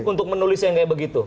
untuk menulis yang kayak begitu